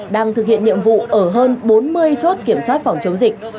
đang thực hiện nhiệm vụ ở hơn bốn mươi chốt kiểm soát phòng chống dịch